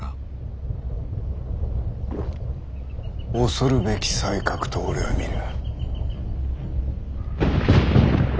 恐るべき才覚と俺は見る。